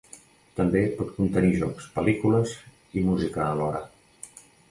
També pot contenir jocs, pel·lícules i música alhora.